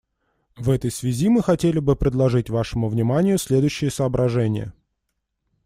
В этой связи мы хотели бы предложить вашему вниманию следующие соображения.